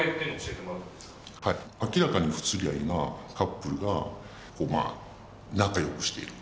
明らかに不釣り合いなカップルがまあ仲良くしている。